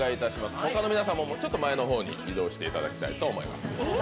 他の皆さんも前の方に移動していただきます。